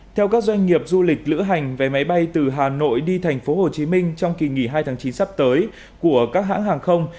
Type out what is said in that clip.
theo các doanh nghiệp du lịch lữ hành vé máy bay từ hà nội đi tp hcm trong kỳ nghỉ hai tháng chín sắp tới của các hãng hàng không